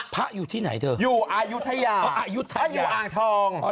พระอยู่ที่ไหนเธออยู่อายุทยาอายุทยาอ่างทอง